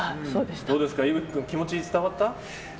どうですか、ｉｖｕ鬼君気持ち伝わった？